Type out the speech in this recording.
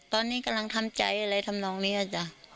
ตอนนี้กำลังทำใจอะไรทำนองนี้จ๊ะ